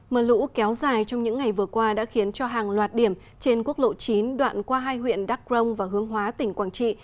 mưa lũ kéo dài trong những ngày vừa qua đã khiến cho hàng loạt điểm trên quốc lộ chín đoạn qua hai huyện đắk rông và hướng hóa tỉnh quảng trị